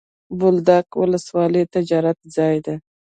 بولدک ولسوالي تجارتي ځای دی.